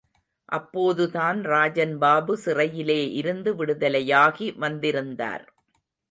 அப்போதுதான் ராஜன் பாபு சிறையிலே இருந்து விடுதலையாகி வந்திருந்தார்.